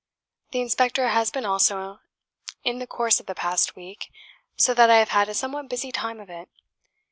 The Inspector has been also in the course of the past week; so that I have had a somewhat busy time of it.